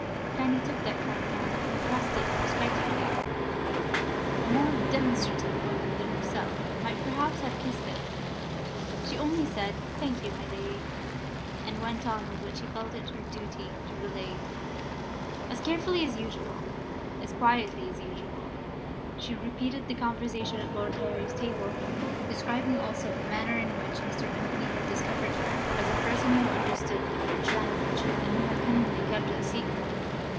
Fanny took that kind hand, and pressed it respectfully a more demonstrative woman than herself might perhaps have kissed it. She only said, "Thank you, my lady," and went on with what she felt it her duty to relate. As carefully as usual, as quietly as usual, she repeated the conversation, at Lord Harry's table; describing also the manner in which Mr. Vimpany had discovered her as a person who understood the French language, and who had cunningly kept it a secret.